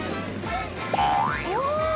お！